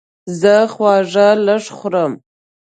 زه خواږه لږ خورم.